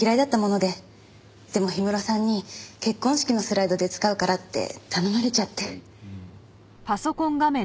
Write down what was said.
でも氷室さんに結婚式のスライドで使うからって頼まれちゃって。